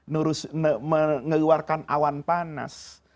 ngeluarkan awan panas